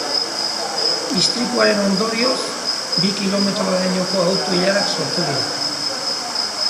Istripuaren ondorioz, bi kilometrorainoko auto-ilarak sortu dira.